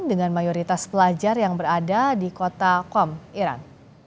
dengan mayoritas pelajar yang berada di kota kom iran